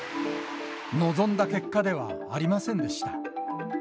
望んだ結果ではありませんでした。